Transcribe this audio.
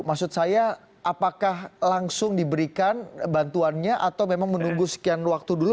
maksud saya apakah langsung diberikan bantuannya atau memang menunggu sekian waktu dulu